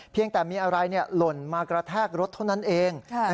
เพียงแต่มีอะไรหล่นมากระแทกรถเท่านั้นเอง